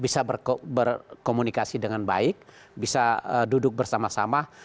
bisa berkomunikasi dengan baik bisa duduk bersama sama